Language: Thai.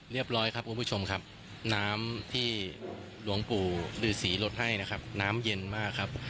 เรียบร้อยครับคุณผู้ชมครับน้ำที่หลวงปู่ฤษีลดให้นะครับน้ำเย็นมากครับ